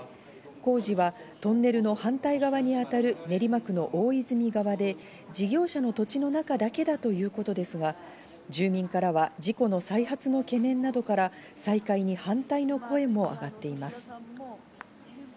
工事はトンネルの反対側にあたる練馬区の大泉側で事業者の土地の中だけだということですが、住民からは事故の再発の懸念などから、再開に反対の声も上がっています。